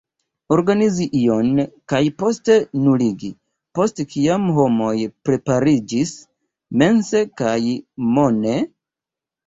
Organizi ion, kaj poste nuligi, post kiam homoj prepariĝis mense kaj mone?